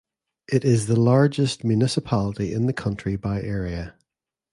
It is the largest municipality in the country by area.